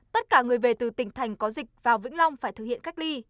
tất cả người về từ tỉnh thành có dịch vào vĩnh long phải thực hiện cách ly